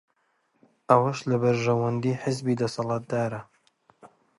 ئەوەش لە بەرژەوەندیی حیزبی دەسەڵاتدارە